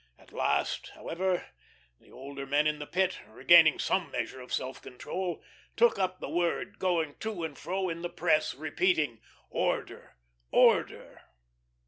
At last, however, the older men in the Pit, regaining some measure of self control, took up the word, going to and fro in the press, repeating "Order, order."